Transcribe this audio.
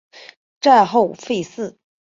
战后废寺。